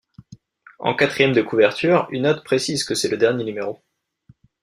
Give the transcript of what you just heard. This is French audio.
En quatrième de couverture, une note précise que c'est le dernier numéro.